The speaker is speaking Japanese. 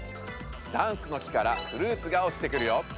ダンスの木からフルーツがおちてくるよ。